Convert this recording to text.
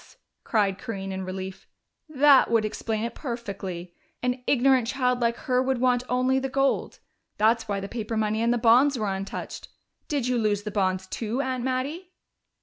cried Corinne in relief. "That would explain it perfectly. An ignorant child like her would want only the gold that's why the paper money and the bonds were untouched. Did you lose the bonds too, Aunt Mattie?"